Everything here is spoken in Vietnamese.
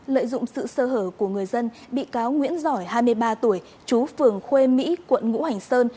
lợi dụng sự sơ hở của người dân bị cáo nguyễn giỏi hai mươi ba tuổi chú phường khuê mỹ quận ngũ hành sơn